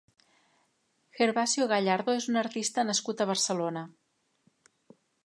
Gervasio Gallardo és un artista nascut a Barcelona.